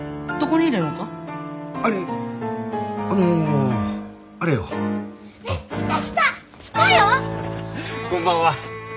こんばんは。